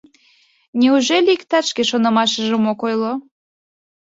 — Неужели иктат шке шонымашыжым ок ойло?